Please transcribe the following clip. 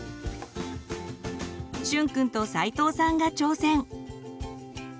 しゅんくんと齋藤さんが挑戦！